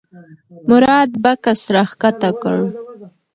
مراد بکس راښکته کړ.